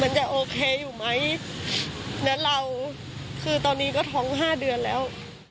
จะโอเคอยู่ไหมและเราคือตอนนี้ก็ท้องห้าเดือนแล้ว